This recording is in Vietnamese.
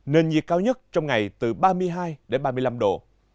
nền nhiệt cao nhất trong ngày từ ba mươi hai đến ba mươi năm độ